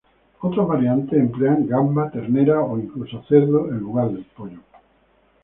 Otras variantes emplean gamba, ternera o incluso cerdo en lugar del pollo.